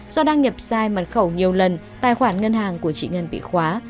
do đăng nhập sai mật khẩu nhiều lần tài khoản ngân hàng của chị ngân bị khóa